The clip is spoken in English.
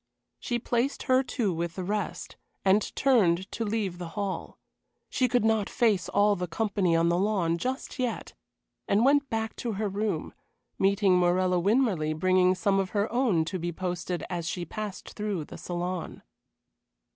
She placed her two with the rest, and turned to leave the hall. She could not face all the company on the lawn just yet, and went back to her room, meeting Morella Winmarleigh bringing some of her own to be posted as she passed through the saloon.